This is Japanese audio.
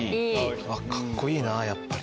カッコいいなやっぱり。